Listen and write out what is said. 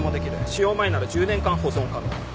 使用前なら１０年間保存可能。